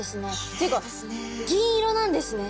っていうか銀色なんですね。